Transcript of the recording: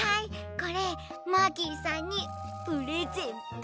これマーキーさんにプレゼント。